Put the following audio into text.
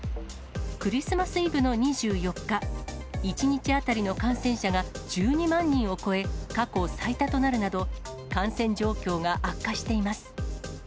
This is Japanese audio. クリスマスイブの２４日、１日当たりの感染者が１２万人を超え、過去最多となるなど、感染状況が悪化しています。